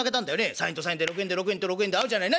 ３円と３円で６円で６円と６円で合うじゃない。